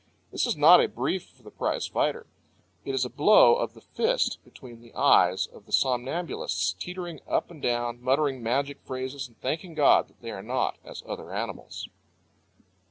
This is not a brief for the prize fighter. It is a blow of the fist between the eyes of the somnambulists, teetering up and down, muttering magic phrases, and thanking God that they are not as other animals.